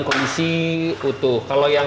kondisi utuh kalau yang